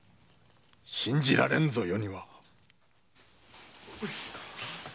信じられんぞ余には！